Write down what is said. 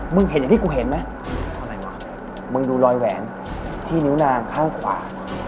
เห็นอย่างที่กูเห็นไหมอะไรวะมึงดูรอยแหวนที่นิ้วนางข้างขวา